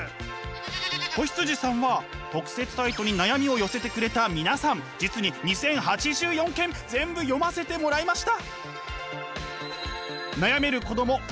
子羊さんは特設サイトに悩みを寄せてくれた皆さん実に２，０８４件全部読ませてもらいました。